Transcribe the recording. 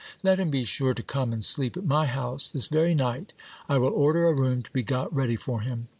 Let him be sure to come and sleep at my house this very night ; I will order a room to be got ready for him.